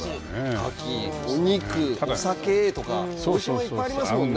かきお肉お酒とかおいしいものいっぱいありますもんね。